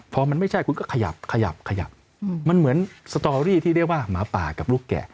พอมันไม่ใช่คุณก็ขยับขยับมันเหมือนสตอรี่ที่เรียกว่าหมาป่ากับลูกแกะ